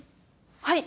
はい。